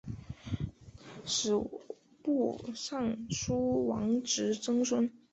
吏部尚书王直曾孙。